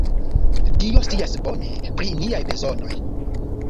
Dio scias bone pri niaj bezonoj.